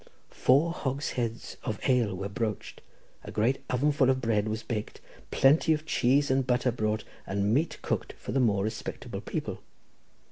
Four hogsheads of ale were broached, a great oven full of bread was baked, plenty of cheese and butter bought, and meat cooked for the more respectable people.